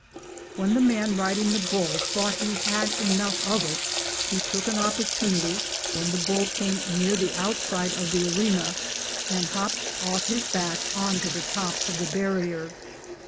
When the man riding the bull thought he had enough of it, he took an opportunity when the bull came near the outside of the arena, and hopped off his back on to the top of the barrier.